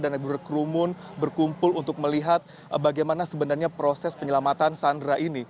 dan berkerumun berkumpul untuk melihat bagaimana sebenarnya proses penyelamatan sandra